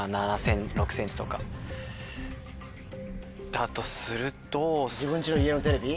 だとすると。